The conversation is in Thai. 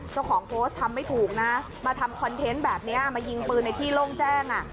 เจ้าของโพสต์ทำไม่ถูกนะมาทำคอนเทนต์แบบนี้มายิงปืนในที่โล่งแจ้งอ่ะ